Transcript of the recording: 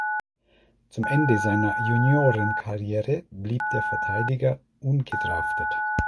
Zum Ende seiner Juniorenkarriere blieb der Verteidiger ungedraftet.